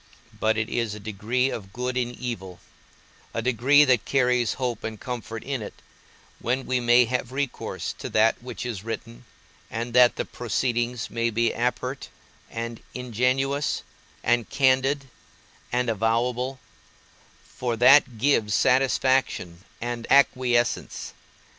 But it is a degree of good in evil, a degree that carries hope and comfort in it, when we may have recourse to that which is written, and that the proceedings may be apert, and ingenuous, and candid, and avowable, for that gives satisfaction and acquiescence.